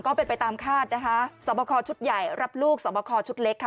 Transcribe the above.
ก็เป็นไปตามคาดนะคะสอบคอชุดใหญ่รับลูกสอบคอชุดเล็กค่ะ